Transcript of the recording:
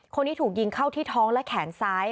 คนนี้ถูกยิงเข้าที่ท้องและแขนซ้าย